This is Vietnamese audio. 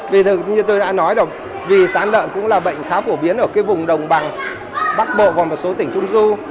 vì thực như tôi đã nói rồi vì sán lợn cũng là bệnh khá phổ biến ở cái vùng đồng bằng bắc bộ và một số tỉnh trung du